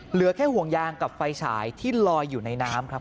เหลือแค่ห่วงยางกับไฟฉายที่ลอยอยู่ในน้ำครับ